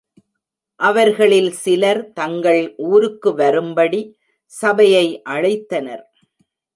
அவர்களில் சிலர், தங்கள் ஊருக்கு வரும்படி சபையை அழைத்தனர்.